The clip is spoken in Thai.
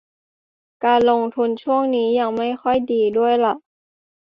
การลงทุนช่วงนี้ยังไม่ค่อยดีด้วยล่ะ